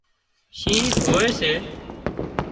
شِينهن هوئي سي